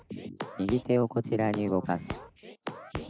「右手をこちらに動かす」ピッ！